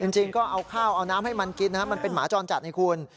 จริงก็เอาข้าวเอาน้ำให้มันกินนะครับมันเป็นหมาจรจัดให้คุณ